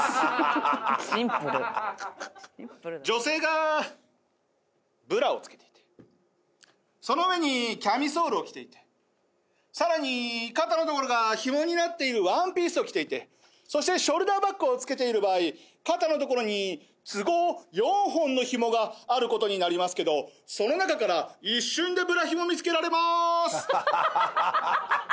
シンプル女性がブラをつけていてその上にキャミソールを着ていてさらに肩のところがひもになっているワンピースを着ていてそしてショルダーバッグをつけている場合肩のところに都合４本のひもがあることになりますけどその中から一瞬でブラひも見つけられまーす！